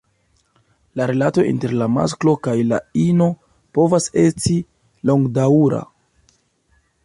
La rilato inter la masklo kaj la ino povas estis longdaŭra.